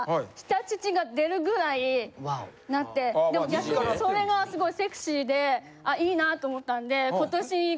逆にそれがすごいセクシーでいいなと思ったんで。